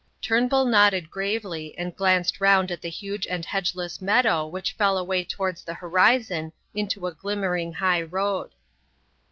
Turnbull nodded gravely and glanced round at the huge and hedgeless meadow which fell away towards the horizon into a glimmering high road.